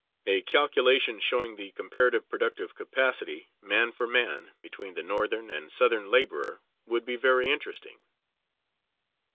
A calculation showing the comparative productive capacity, man for man, between the Northern[B] and Southern laborer would be very interesting.